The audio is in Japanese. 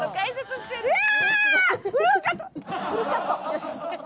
よし。